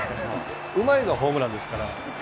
うまいがホームランですから。